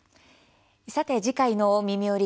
次回の「みみより！